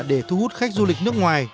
để thu hút khách du lịch nước ngoài